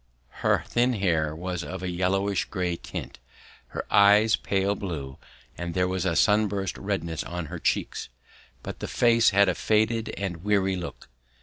Her thin hair was of a yellowish grey tint, her eyes pale blue, and there was a sunburnt redness on her cheeks, but the face had a faded and weary look.